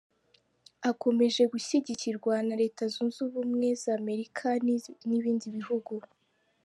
Akomeje gushyigikirwa na Leta Zunze Ubumwe z'Amerika n'ibindi bihugu.